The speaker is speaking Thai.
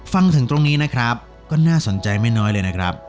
ฟังถึงตรงนี้นะครับก็น่าสนใจไม่น้อยเลยนะครับ